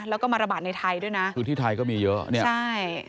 แล้วก็มาระบาดในไทยด้วยนะคือที่ไทยก็มีเยอะเนี่ยใช่